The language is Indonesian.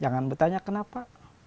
jangan bertanya kenapa